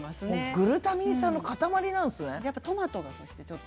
グルタミン酸の塊なんですね。